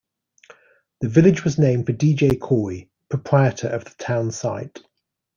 The village was named for D. J. Cory, proprietor of the town site.